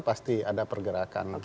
pasti ada pergerakan